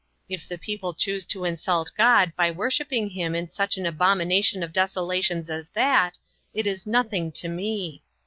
If the people choose to insult God by worshiping him in such an abomin ation of desolations as that, it is nothing to me.